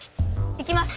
行きます！